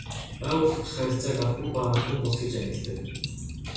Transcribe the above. Байгууллага дахь харилцааг албан ба албан бус гэж ангилдаг.